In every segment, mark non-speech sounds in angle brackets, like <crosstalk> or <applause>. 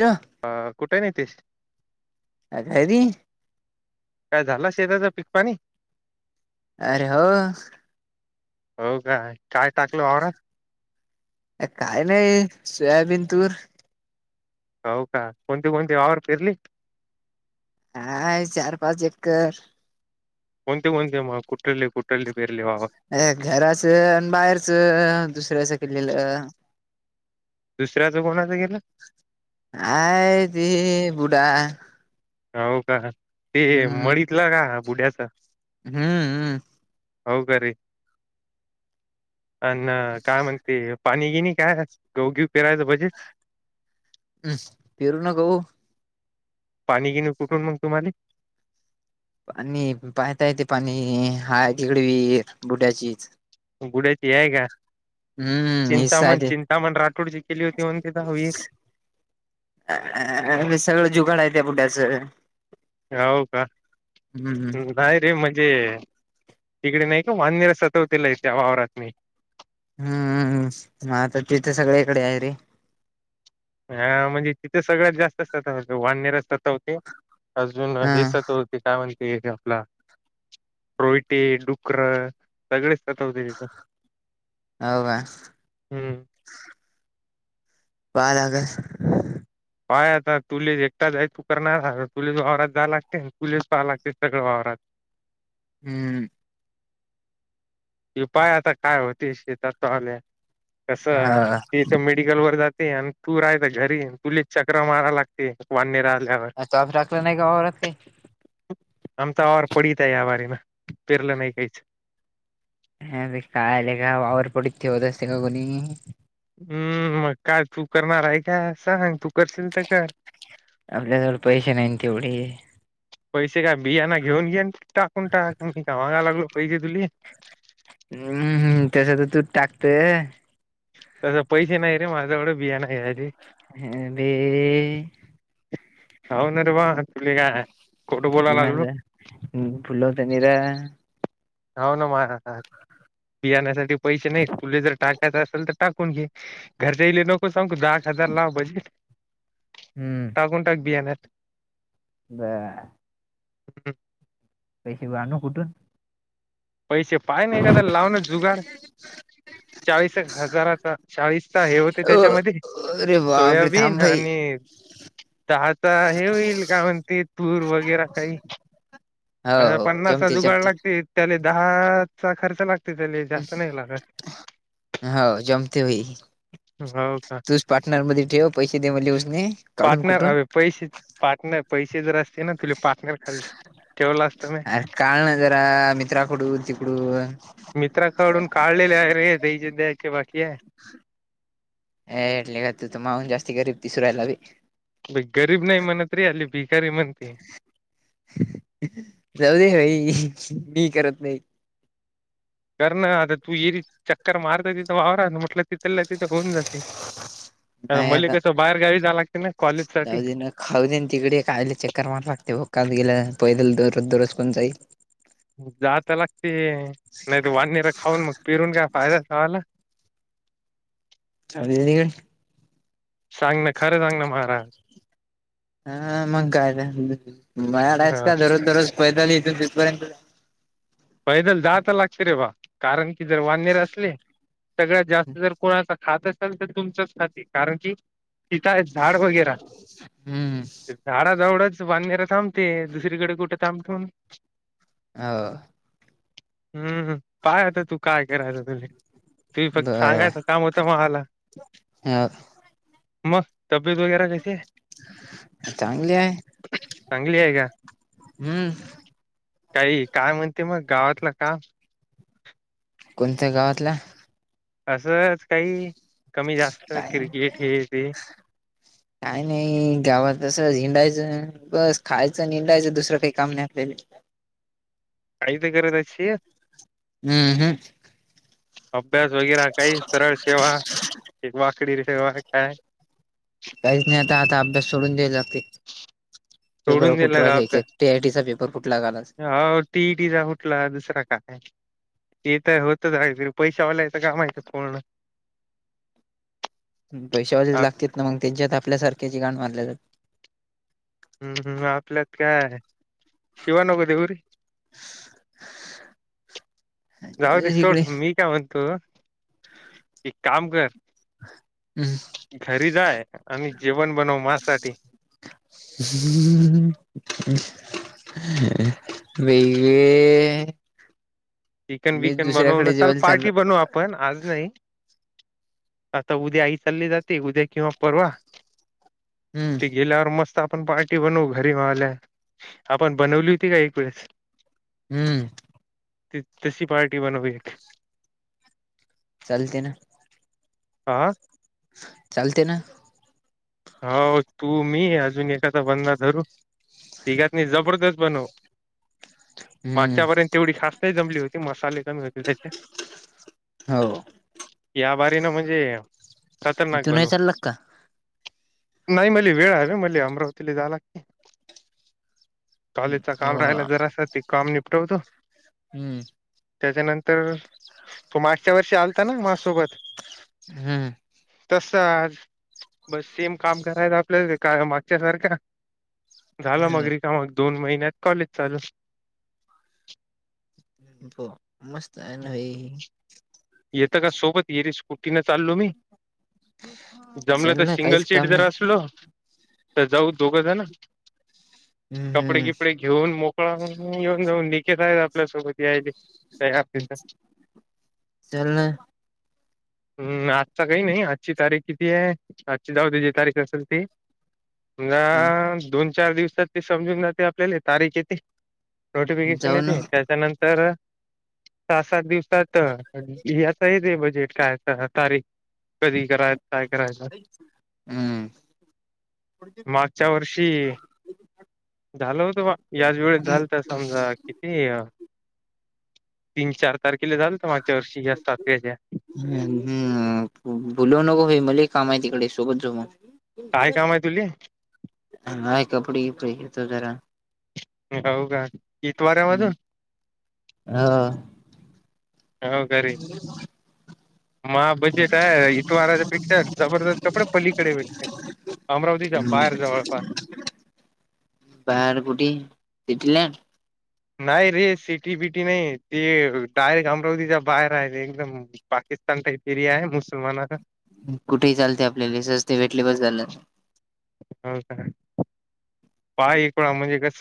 Hello हा कुठे आहे नितेश? अं घरी. काय झालं शेताचं पिक पाणी? अरे हो. हो का काय टाकलं वावरात? अ काय नाही सोयाबीन, तूर हो का? कोणती कोणती वावर फिरली. हा चार, पाच एकर कोणती कोणती मग म कुठले कुठलि अ घराच आणि बाहेरच, दुसऱ्याचं केलेलं. दुसऱ्याच कोणाचं केलेल? आहे ती बुढ्ढा हो का ते म्हडितलं का बुड्याच? हं हं हो कारे..... अन काय म्हणतील? पाणी गिणी काय गहु पेरायचं बजेट हं पेरू ना गहु पाणी गिणी कुठून मग तुम्हाला? पाणी पाहता येते. पाणी हा तिकड विहीर बुड्याचीच गुड्याची आहेय का? हम्म हे चिंतामन साधे चिंतामन राठोड जी केली होती. म्हण कि तिथ विहीर. अ मी सगळं जुगाड आहे. त्या बुढ्याच हो का.... नाही रे म्हणजे म्हणजे..... तिकडे नाही का? वानर सतवतेल त्या वावरातनी हंम मता तिथे सगळीकडे आहे रे हा म्हणजे तिथे सगळ्यात जास्त असतात वानर असतात. सतवते अजून हा हे सतवते होते काय म्हणते. ते आपला रोयटे डुक्करं सगळेच सतवते.... तिथ हो का हं पाय लागल पाय आता तुला स एकटाच आहे तू करणार तुलाच वावरात जा लागते तुलास पाहाव लागतय सगळं वावरात <inaudible> हं की पाहाव आता काय होते? शेतात पाल्या कस हा त इथ मेडिकल वर जात. आणि तू राहायला घरी तुलाच चक्र माराव्या लागतात वान्यरात अ फार टाकला नाही का वावरात काही? आमचा वावर पडीक आहे. वावरी ना पेरलं नाही काहीच हा भाई काय लेका वावर पडित ते होत असते का कोणी? हं मग काय तू करणार आहे का? सांग तू करशील तर कर आपल्याजवळ पैसे नाही ना तेवढे पैसे काय बियाणा घेऊन देऊन टाकून टाक का गावाला लागलो पाहिजे तुली हं हं त्याच्यासाठीच तर तू टाकतय. तस पैसे नाही रे माझ्या एवढं बियाणे नाही आधी ह बे होनार बा तुली का तीन हजार.... फुल ते निरा होन म <inaudible> बियाण्यासाठी पैसे नाही तुले जर टाकायच असेल तर टाकून घे घर जाईले नको सांगू जाग लावज हम्म टाकून टाक बियाण्यात <inaudible> <inaudible> बर हं पैसे आणू कुठून? पैसे पाहून ना ए एकदा लावना जुगाड चाळीस एक हजाराचा चाळीसचा हे होते. अ त्याच्यामध्ये अरे बापरे सोयाबीन थांब भाई आणि ळता हे होईल का म्हणते तूर वगैर काही. हो अा हो पन्नासचा जमते जुगाड जमते लागते त्याला दहाचा खर्च लागतो. हो जमते होई. हो का तूच पार्टनरमध्येध्ये ठेव पैसे दे म. पार्टनर ह पैसे पार्टनर पैसे जरा असते ना तु. अरे काळ ना जरा मित्राकडून तिकडू. मित्राकडून काढलेले आहे रे तेज द्यायचे बाकी आहे. हटले का तू तर माऊून जास्ती गरीब तिसरायला भी. गरीब नाही म्हणत रे अली भिकारी म्हणते. जाऊ दे भाई मी करत नाही. कर ना आता तू येरी चक्कर मारता तिथं वावररा म्हटलं तिथलला तिथं होऊन जाते. नाही मले आता कसं बाहेर गावी जावं लागते ना कॉलेज साठी जाऊ ना खाऊ दे तिकडे कायले चक्कर मार लागते काल. गेला पैद दररोज दररोज कोण जाई. जात लागते नाही ते वानणीर खाऊन मग फिरून घ्या. पायला सल. अ निक. सांग ना खरं सांग ना महाराज. हा मंग काय मड आहेस हा का ररोज दररोज. पता इथ तिथपर्यंत. पैदल जाात लागते रे बा कारण की जर वन इयर असले सगळ्यात जास्त जर कोणाचा. खात असाल तर तुमचच खाती कारण की तिताय झाड वगैर हम्म झाडाजवळच. बांधण्याला थांबते दुसरीकडे कुठे थांबतो. हो. हम्मम पाय आता तू. काय करायचं तुझ तु फक्त सांगायचं काम होत मला. ह तबीयेत वगैरे कैसे आहे. चांगली आहे चांगली आहे का हम्म. काही काय म्हणते मग गावातलं का कोणत्या गावातला. असंच काही कमी जास्त काय क्रिकेट हे तेे. काय नाही गावातस झिंडायचं बस खायचं निंडायचं दुसरं काही काम नाही असलेले. काही तर करत अशी हम्म हम्म. अभ्यास वगैर काही सरळ सेवा. एक वाकडी र सेवा काय. काहीच नाही आता आता अभ्यास सोडून द्यायला लागते. सोडून पेपर फुटू गेलं राहिले गभ्या की टीआयटीचा पेपर फुटला कालच. टीटचा फुटला दुसरा काय. ते तरय होतच आहे फिर पैशावालायचं का माहिचं पूर्ण. पैशावाज आप लागतील ना मग त्यांच्यात आपल्यासारख्याचे गाण मारले जात. हम्म हम्म आपल्यात काय शिवा नको देवररीी. <inaudible> जाऊ दे जाते इकडे सोड मी काय म्हणतो एक काम कर. हम्म घरी जाय आम्ही जेवण बनव माझसाठी हम्. ह वे. चिकन विकन बनवून चाल पार्टी बनू आपण आज नाही आता उद्या आई चालली जाते उद्या किंवा परवा हम्म ते गेल्यावर मस्त आपण पार्टी बनवू घरी म आल्या आपण बनवली होती का एक वेळेस हम्म तशी पार्टी बनवी चालते ना आह चालते ना हो तू मी अजून एखादा बंदा धरू तघात नाही जबरदस्त बनव हम्म मागच्यापर्यंत तेवढी खास नाही जमली होती मसाले त्याच्या हो या बारी ना म्हणजे खतरनाक तू नाही बनू चालत का नाही म्हली वेळ हवे म्हली अमरावतीला जालागते कॉलेज काम राहायला हम्म जरास त काम निपटवतो त्याच्यानंतर तो मागच्या वर्षी आलता ना मासोबत हम्म तस आज बस सेम काम करायच आपलं का मागच्या सारखा झालं मग र का मग दोन महिन्यात कॉलेज चालू त मस्त आहे हो येतं का सोबत येरी स्कुटी न चालो मी जमलं चल तर ना सिंगल काहीच सीट काम नाही जरा असलो दोगजन कपडे हम्म किपडे घेऊन मोकळा येऊन जाऊन निकेत आहेत आपल्यासोबत यायले हम्म तरतीस चल ना हम् आजचा काही नाही आजची तारीख किती आहे आजची जाऊ त जी तारीख असेल ती ना दोन चार दिवसात ते समजून जाते आपल्याला तारीख येते नोटिफिकेशन जाऊ ना येते त्याच्यानंतर सहा सात दिवसात याचा ते बजेट काय तारी कधी करायत काय करायच हम्म मागच्या वर्षी झालं होतं याच वेळेस झालं तर समजा किती तीन चार तारखेला झालं तर मागच्या वर्षी या सातव्याच्या हम्म बुलाव नगो मले काम आहे तिकडे सोबत जाऊन काय काम आहे तुले य कपडी कप येत जरा हो का इतवार्या वाजून हो घरी म बजेट आहे इतवाराच्या पेक्षा जबरदस्त कपडे पलीकडे भेटते अमरावतीच्या बाहेर जवळपास. बाहेर कुटी नाही रे, सिटी बिटी नाही. ते डायरेक्ट अमरावतीच्या बाहेर आहे एकदम पा ख्रिस्तान टाईप एरीया आहे मुसलमाना चा. कुठेही चालते आपल्याला. सस्त भेटले बस झालं. हो का? <unintelligible> म्हणजे कस.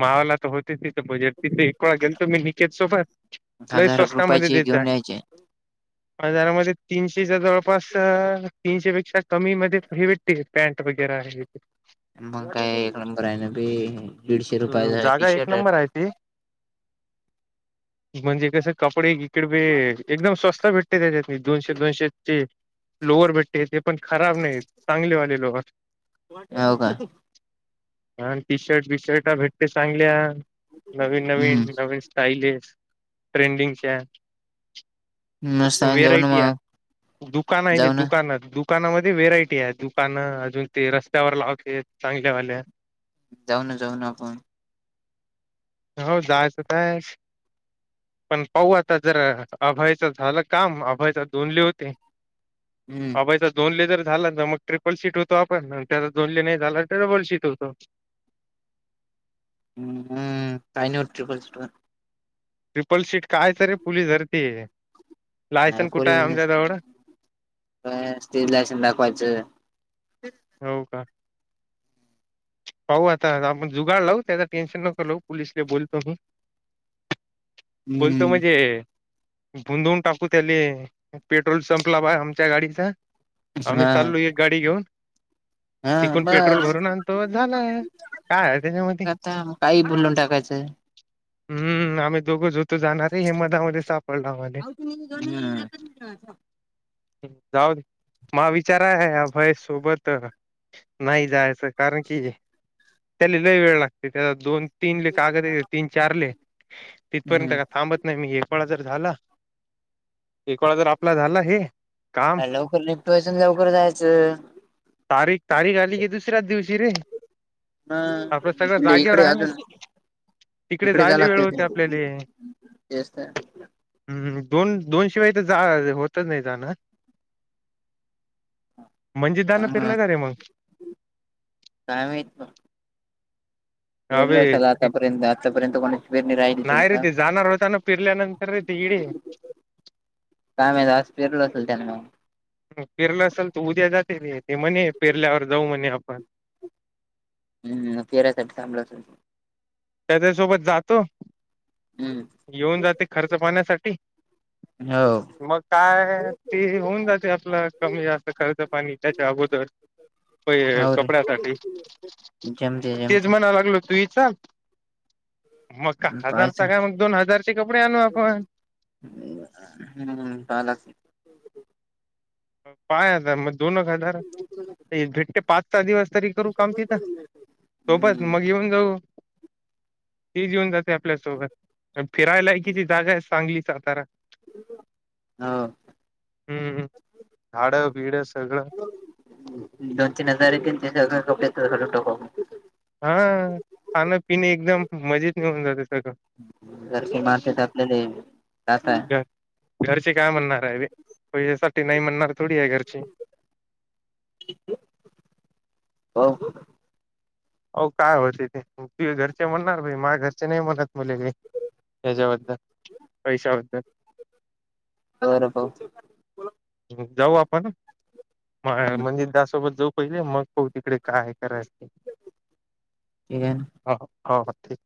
मावला तर होत तिथं बजेट तिथे. एकवेळा गेलतो मी निकेत सोबत. लय हजार स्वस्ता मध्ये रुपयाचे देताय. घेऊन यायचे हजारामध्ये तीनशेच्या जवळपास, तीनशे पेकी पेक्षा अ कमी मध्ये फ्री हे भेटते पॅन्ट वगैरे आहे. मग काय, एक नंबराय ना बे दीडशे हम्म रुपयाचा टी जागा एक शर्ट नंबर आहे ती. म्हणजे कस कपडे इकड बे, एकदम स्वस्त भेटत च्या दोनशे, दोनशे लोअर भेटते, ते पण खराब नाही, चांगले वाले लोअर. आहे हो का ह टी शर्ट बीशर्ट भेटते चांगल्या नवीन-नवीन, हम्म नवीन स्टाईलिश, ट्रेंडिंगच्या. मस्त आहे जाऊ ना वेरायटी मग आहे, दुकान आहे, जाऊ ना दुकानात दु दुकानामध्ये व्हेरायटी आहे, दुकानं अजून ते रस्त्यावर लावतेत. चांगल्या वाल्या- जाऊ न जाऊ ना आपण. हो जायचं काय पण पाहू आता जरा, अभयाचं झालं काम. अभयाचा दोनले होते. हम्म अभयचा दोन लेजर झालं ना मग ट्रिपल सीट होतो आपण, त्याला दोनली नाही झाला तर डबल सीट होतो. <inaudible> हम्म, हम्म. काय नाही होत ट्रीपल सीटवर. ट्रिपल शीट कायच रे? पुलीस धरतीय. आरं पोरींना नसती धरत. <unintelligible> काय असतय, लायसन दाखवायच. हो का पाहू आता, आपण जुगाड लावू. त्याच टेन्शन नको लावू. पोलीसले बोलतो मी. <unintelligible> बोलतो हम्म म्हणजे? भुधंऊन टाकू त्याले. पेट्रोल संपला बा आमच्या गाडीचा आम्ही हा चाललो एक गाडी घेऊन, हा तिकून पेट्रोल बस भरून आणतो, झाल. <unintelligible> आता काही बोलून टाकायचं. हम्म, आम्ही दोघं ज होत जाणारय हे मधामध्ये साप <unintelligible> जाऊ दे. म विचाराय अभय सोबत नाही जायाचं. कारण की, त्याला लय वेळ लागते, त्या दोन -तीन ले कागद येत तीन चारले तपर्यंत का थांबत नाही मी. एक वळा जर झाला, एक वळा जर आपला झाला हे. काम लवकर निपटवायच, न लवकर जायचं. तारीख तारीख आली की, दुसऱ्याच दिवशी रे. ह आपलं सगळं म्हणजे जागेवर इकडे आहे ना अजून तिकडे इकडे जायला वेळ जालागत होते ते. आपल्याले तेच तर. हम्म दोन -दोनशिवाय तर जा होतच नाही जाणं. म्हणजे त्यान चांगलं आहे फिरला का रे मग? - काय माहित अ पेरलं बे असेल ती, आतापर्यंत आतापर्यंत कोणाची पेरणी राहिली नाही रे का ते जाणार होता ना, फिरल्यानंतर रे ती. <unintelligible> काय माहीत, आज पेरल असेल त्यान. पेरलं असेल तर उद्या जाते रे, म्हणे पिरल्यावर जाऊ म्हणे आपण. हम्म फेऱ्यासाठी थांबळत. त्याच्यासोबत जातो हम्म घेऊन जाते खर्च पाण्यासाठी. हो. मग काय ते होऊन जाते आपलं कमी जास्त खर्च पाणी त्याच्या अगोदर, - होय, हो रे कपड्यासाठी जमते तेच जमते म्हणाय लागलो तूही चल. मग का पाहायचं हजारचा कायष मग दोन हजारचे कपडे आणू आपण. हम्म पालक. पाय आता म. दोनक हजार भेटतेे, पाच सहा दिवस तरी करू काम तिथंऽऽ सोपच, हम्म मग येऊन जाऊ,, तेीच येऊन जाते आपल्यासोबत,, फिरायला ककीची जागा आहे सांगली सातारा,, हो हम्म, ह, दोन तीन हजारा येतीलऽऽ त्या झा टका मऽऽ हा, खाण्यापिणे एकदम, मजेत मिेऊन जातेऽऽ जारखी मार्केट आपल्याला येलऽऽ घ, घरचे काय म्हणणार आहेी रेऽऽ पैशसाठी नाही म्हणणार थोडी आहे घरचीऽ हा, हो काय होते ते, तुजे घरचे म्हणणार, भा माझ घरचे नाही म्हणत मुलेलीऽऽ हच्या बद्दल, पैसा बद्दल,, बर पाहु, जाऊ आपण, म्हणजे त्यासोबत जाऊ पहिले, मग हो तिकडे काय? रा आहे. ह, हो, ठीक,